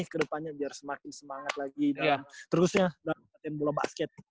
ke depannya biar semakin semangat lagi dalam viaden bola basket